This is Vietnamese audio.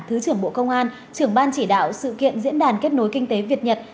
thứ trưởng bộ công an trưởng ban chỉ đạo sự kiện diễn đàn kết nối kinh tế việt nhật